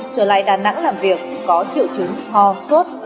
trở lại đà nẵng làm việc có triệu chứng ho sốt